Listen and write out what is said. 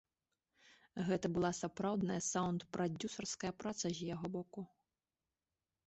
Гэта была сапраўдная саўнд-прадзюсарская праца з яго боку.